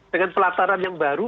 dengan pelataran yang baru